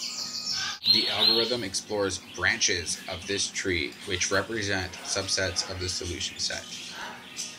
The algorithm explores "branches" of this tree, which represent subsets of the solution set.